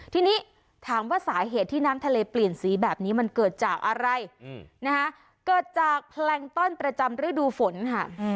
ทีนี้ถามว่าสาเหตุที่น้ำทะเลเปลี่ยนสีแบบนี้มันเกิดจากอะไรนะคะเกิดจากแพลงต้อนประจำฤดูฝนค่ะ